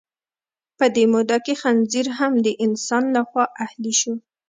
په دې موده کې خنزیر هم د انسان لخوا اهلي شو.